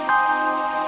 kebanyakan enggak mau